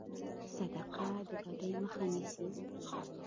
صدقه د بدي مخه نیسي.